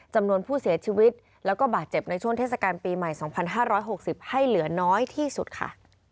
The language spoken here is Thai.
จำนวนผู้เสียชีวิตแล้วก็บาดเจ็บในช่วงเทศกาลปีใหม่๒๕๖๐ให้เหลือน้อยที่สุดค่ะ